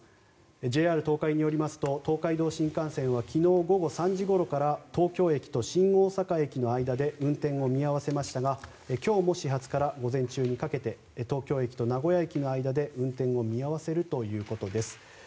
ＪＲ東海によりますと東海道新幹線は昨日午後３時ごろから東京駅と新大阪駅の間で運転を見合わせましたが今日も始発から午前中にかけて東京駅と名古屋駅の間で運転を見合わせるということです。